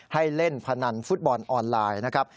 ให้เล่นพนันฟุตบอลออนไลน์นะครับ